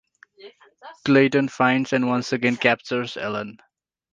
Clayton finds and once again captures Ellen.